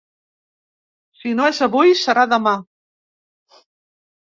Si no és avui, serà demà.